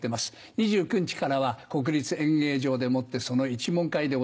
２９日からは国立演芸場でもってその一門会でございます。